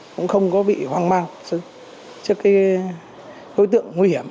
cũng không có bị hoang mang trước cái đối tượng nguy hiểm